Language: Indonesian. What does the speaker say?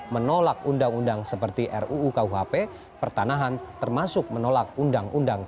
menolak undang undang seperti ruu kuhp pertanahan termasuk menolak undang undang